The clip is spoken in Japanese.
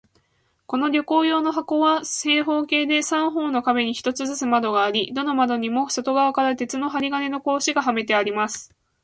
この旅行用の箱は、正方形で、三方の壁に一つずつ窓があり、どの窓にも外側から鉄の針金の格子がはめてあります。